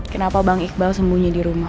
kenapa bang iqbal sembunyi di rumah